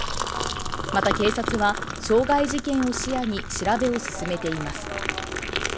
また警察は傷害事件を視野に調べを進めています。